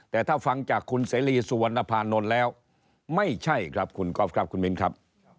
แต่ถ้าฟังจากคุณเสรีสุวรรณภานนท์แล้วไม่ใช่ครับคุณก๊อฟครับคุณมิ้นครับ